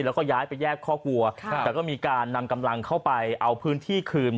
แล้วก็ย้ายไปแยกข้อกลัวแต่ก็มีการนำกำลังเข้าไปเอาพื้นที่คืน